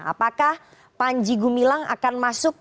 apakah panji gumilang akan masuk